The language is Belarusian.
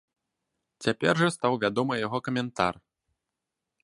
Цяпер жа стаў вядомы яго каментар.